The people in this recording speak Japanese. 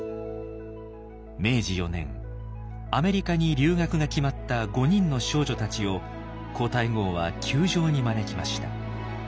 明治４年アメリカに留学が決まった５人の少女たちを皇太后は宮城に招きました。